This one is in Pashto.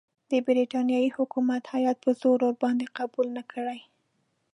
د برټانیې حکومت هیات په زور ورباندې قبول نه کړي.